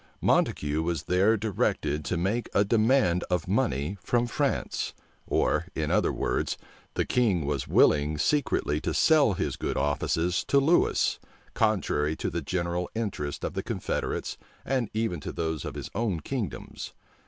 Montague was there directed to make a demand of money from France; or, in other words, the king was willing secretly to sell his good offices to Lewis, contrary to the general interests of the confederates, and even to those of his own kingdoms.